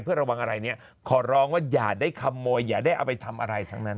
เพื่อระวังอะไรเนี่ยขอร้องว่าอย่าได้ขโมยอย่าได้เอาไปทำอะไรทั้งนั้น